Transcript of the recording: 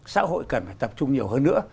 xã hội cần tập trung nhiều hơn nữa